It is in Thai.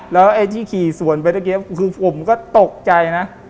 แล้วไอ้ที่ขี่สวนไปเมื่อกี้คือผมก็ตกใจนะ